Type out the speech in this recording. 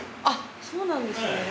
あっそうなんですね。